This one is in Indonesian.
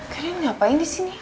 kalian ngapain disini